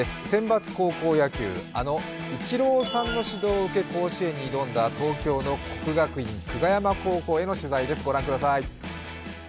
選抜高校野球、あのイチローさんの指導を受け甲子園に挑んだ東京の国学院久我山高校への取材です。